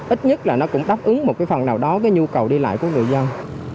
ít nhất là nó cũng đáp ứng một cái phần nào đó cái nhu cầu đi lại của người dân